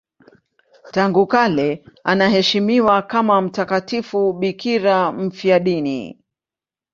Tangu kale anaheshimiwa kama mtakatifu bikira mfiadini.